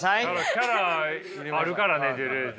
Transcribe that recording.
キャラあるからねドゥルーズ